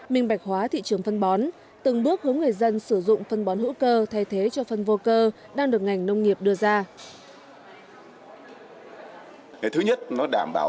minh bạch hóa thị trường phân bón từng bước hướng người dân sử dụng phân bón hữu cơ